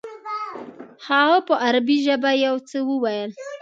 هغه په عربي ژبه یو څه وویل.